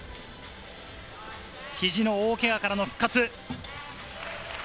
肘の大けがからの復活。